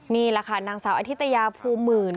นี่แหละค่ะนางสาวอธิตยาภูมิหมื่น